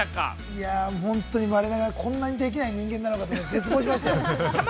いや本当に、我ながらこんなにできない人間なのかと絶望しましたよ。